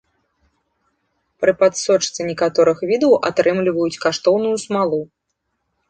Пры падсочцы некаторых відаў атрымліваюць каштоўную смалу.